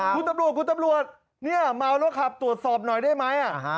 คุณตำรวจคุณตำรวจเนี่ยเมาแล้วขับตรวจสอบหน่อยได้ไหม